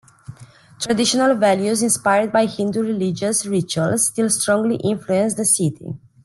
Traditional values inspired by Hindu religious rituals still strongly influence the city.